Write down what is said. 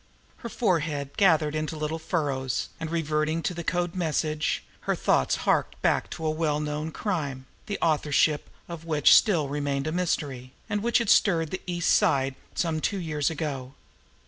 Her forehead gathered into little furrows; and, reverting to the code message, her thoughts harked back to a well known crime, the authorship of which still remained a mystery, and which had stirred the East Side some two years ago.